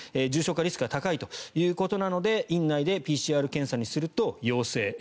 重症化リスクが高いということなので、院内でＰＣＲ検査にすると陽性。